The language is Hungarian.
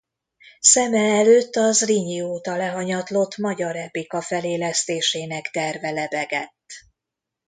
Szeme előtt a Zrínyi óta lehanyatlott magyar epika felélesztésének terve lebegett.